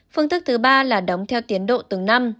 phương thức thứ ba là đóng theo tiến độ từng năm